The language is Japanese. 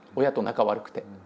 親と仲悪くて。